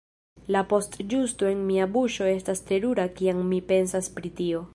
La postĝusto en mia buŝo estas terura kiam mi pensas pri tio.